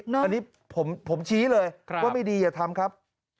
อันนี้ผมชี้เลยว่าไม่ดีอย่าทำครับ